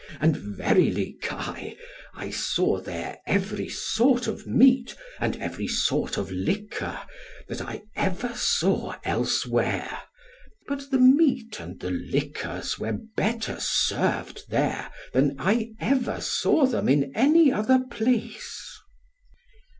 And verily, Kai, I saw there every sort of meat, and every sort of liquor, that I ever saw elsewhere; but the meat and the liquors were better served there, than I ever saw them in any other place.